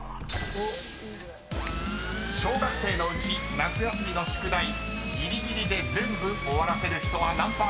［小学生のうち夏休みの宿題ぎりぎりで全部終わらせる人は何％か？］